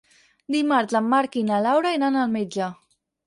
Dimarts en Marc i na Laura iran al metge.